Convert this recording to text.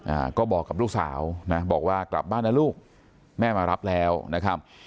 อ่าก็บอกกับลูกสาวนะบอกว่ากลับบ้านนะลูกแม่มารับแล้วนะครับ